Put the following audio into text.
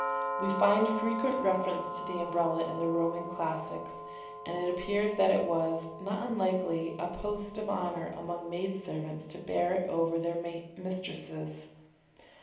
We find frequent reference to the Umbrella in the Roman Classics, and it appears that it was, not unlikely, a post of honour among maid servants to bear it over their mistresses.